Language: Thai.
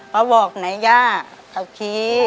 เขาบอกไหนย่าเขาชี้